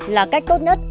là cách tốt nhất